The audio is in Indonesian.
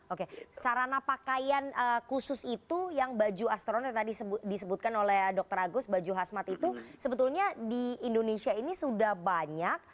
oke sarana pakaian khusus itu yang baju astronot tadi disebutkan oleh dr agus baju hasmat itu sebetulnya di indonesia ini sudah banyak